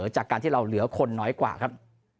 จากการที่เราเหลือคนน้อยกว่าครับ